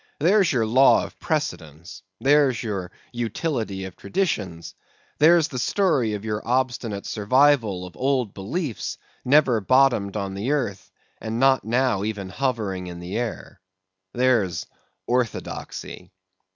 There's your law of precedents; there's your utility of traditions; there's the story of your obstinate survival of old beliefs never bottomed on the earth, and now not even hovering in the air! There's orthodoxy!